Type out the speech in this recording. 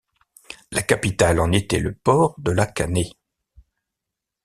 La capitale en était le port de La Canée.